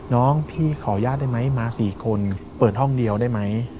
น้องพี่ขออนุญาตได้ไหมมา๔คนเปิดห้องเดียวได้ไหม